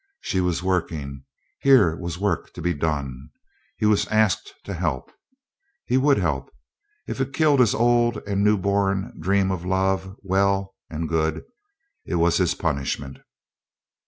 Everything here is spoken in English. She was working; here was work to be done. He was asked to help; he would help. If it killed his old and new born dream of love, well and good; it was his punishment.